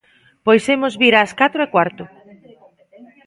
Pois imos vir ás catro e cuarto.